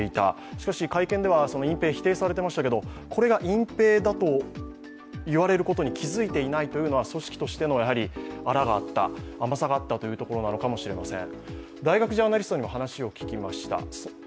しかし、会見では隠蔽は否定されていましたけれども、これが隠蔽だと言われることに気づいていないというのは、組織として粗、甘さがあったということかもしれません。